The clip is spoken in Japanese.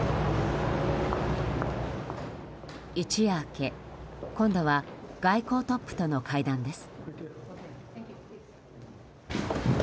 一夜明け、今度は外交トップとの会談です。